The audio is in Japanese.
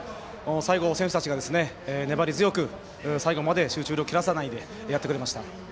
最後、選手たちが粘り強く最後まで集中力を切らさないでやってくれました。